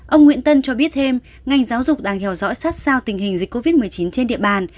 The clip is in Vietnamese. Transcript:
ông nguyễn tân cho biết thêm ngành giáo dục đang theo dõi sát sao tình hình dịch covid một mươi chín trên địa bàn